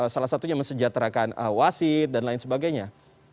salah satunya mesejahterakan wasit dan lain sebagainya